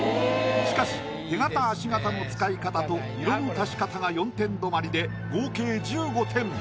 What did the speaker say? しかし手形足形の使い方と色の足し方が４点止まりで合計１５点。